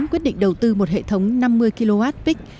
quyết định đầu tư một hệ thống năm mươi kwp